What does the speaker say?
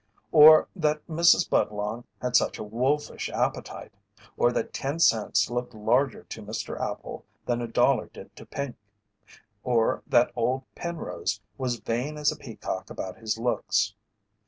Or that Mrs. Budlong had such a wolfish appetite, or that ten cents looked larger to Mr. Appel than a dollar did to Pink, or that Old Penrose was vain as a peacock about his looks.